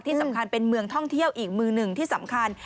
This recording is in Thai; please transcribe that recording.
สำคัญเป็นเมืองท่องเที่ยวอีกมือหนึ่งที่สำคัญ